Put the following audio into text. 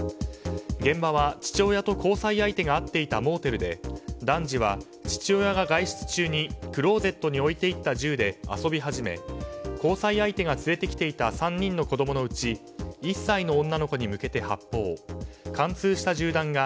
現場は父親と交際相手が会っていたモーテルで男児は父親が外出中にクローゼットに置いていった銃で遊び始め交際相手が連れてきていた３人の子供のうち１歳の女の子に向けて発砲貫通した銃弾が